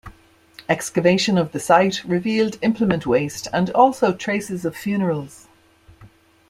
Excavation of the site revealed implement waste and also traces of funerals.